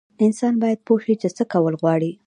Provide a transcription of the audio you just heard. انسان باید پوه شي چې څه کول غواړي.